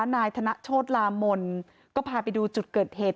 นายธนโชธลามนก็พาไปดูจุดเกิดเหตุ